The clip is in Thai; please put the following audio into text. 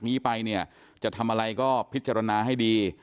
นี้ไปเนี่ยจะทำอะไรก็พิจารณาให้ดี